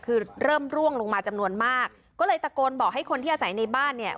คือเริ่มร่วงลงมาจำนวนมากก็เลยตะโกนบอกให้คนที่อาศัยในบ้านเนี่ย